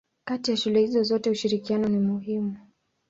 Kati ya shule hizo zote ushirikiano ni muhimu.